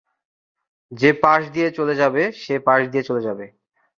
সে পাশ দিয়ে চলে যাবে, সে পাশ দিয়ে চলে যাবে।